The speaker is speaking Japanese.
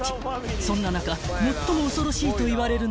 ［そんな中最も恐ろしいといわれるのが］